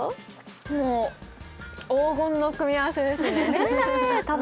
もう黄金の組み合わせですね。